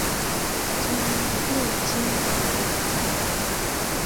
锐尖毛蕨为金星蕨科毛蕨属下的一个种。